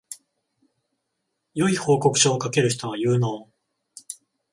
良い報告書を書ける人は有能